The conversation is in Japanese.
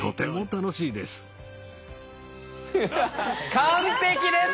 完璧です。